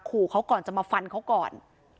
ขู่เขาก่อนจะมาฟันเขาก่อน